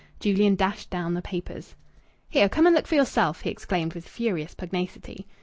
Julian dashed down the papers. "Here! Come and look for yourself!" he exclaimed with furious pugnacity.